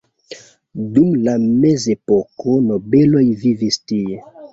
Dum la mezepoko nobeloj vivis tie.